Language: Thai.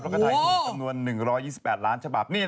แล้วก็ถ่ายผลจำนวน๑๒๘ล้านฉบับ